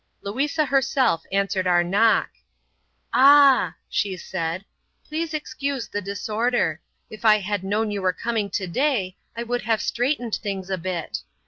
Louisa herself answered our knock, "Ah," she said, "please excuse the disorder. If I had known you were coming today I would have straightened things a bit.